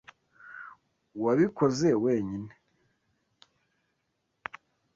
Wabikoze wenyine?